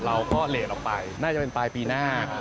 เราก็เหละลงไปน่าจะเป็นปลายพี่นาค